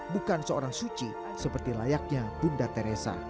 bukan seorang suci seperti layaknya bunda teresa